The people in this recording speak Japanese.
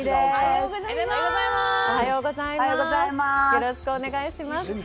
よろしくお願いします。